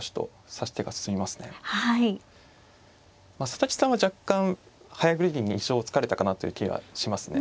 佐々木さんは若干早繰り銀に意表をつかれたかなという気がしますね